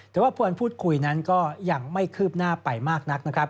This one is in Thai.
แต่ว่าพวนพูดคุยนั้นก็ยังไม่คืบหน้าไปมากนัก